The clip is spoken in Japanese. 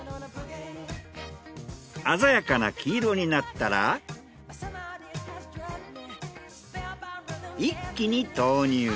鮮やかな黄色になったら一気に投入。